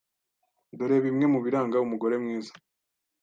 Dore bimwe mu biranga umugore mwiza :